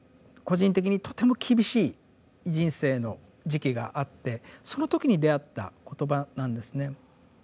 個人的にとても厳しい人生の時期があってその時に出会った言葉なんですね。